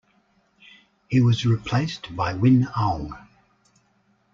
He was replaced by Win Aung.